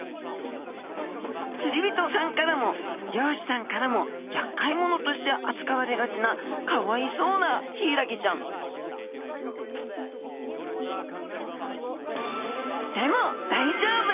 釣り人さんからも漁師さんからもやっかい者として扱われがちなかわいそうなヒイラギちゃんでも大丈夫！